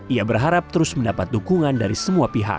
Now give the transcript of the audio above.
ia berharap terus mendapat dukungan dari semua pihak